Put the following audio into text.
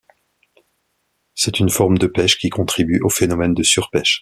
C'est une forme de pêche qui contribue au phénomène de surpêche.